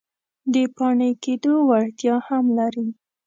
د پاڼې کیدو وړتیا هم لري.